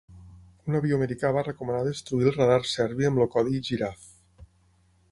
Un avió americà va recomanar destruir el radar serbi amb el codi "Giraffe".